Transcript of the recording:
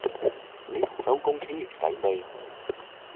你同周公傾完偈未？